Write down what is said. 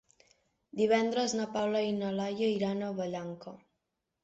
Divendres na Paula i na Laia iran a Vallanca.